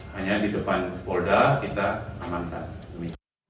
hanya di depan polda kita amankan